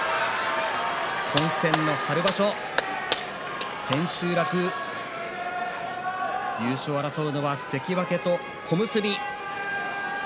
混戦の春場所千秋楽、優勝を争うのは関脇と小結。